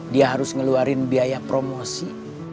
dia harus ngeluarin biaya promosi